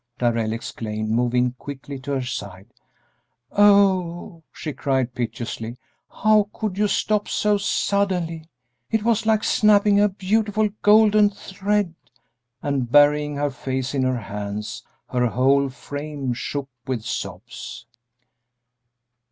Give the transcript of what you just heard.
Darrell exclaimed, moving quickly to her side. "Oh," she cried, piteously, "how could you stop so suddenly! It was like snapping a beautiful golden thread!" And burying her face in her hands, her whole frame shook with sobs.